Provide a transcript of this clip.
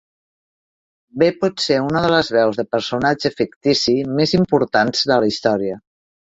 Bé pot ser una de les veus de personatge fictici més importants de la història.